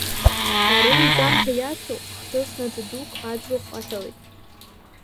Ари анҵамҭа иацу хҭыс наӡа дук аӡбахә аҳәоит.